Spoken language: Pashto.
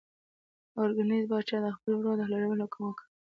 اورنګزېب پاچا د خپل ورور د حلالولو حکم وکړ.